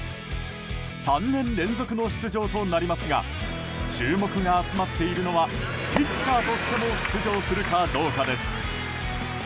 ３年連続の出場となりますが注目が集まっているのはピッチャーとしても出場するかどうかです。